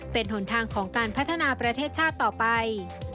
เป็นหนทางของการพัฒนาประเทศชาติต่อไป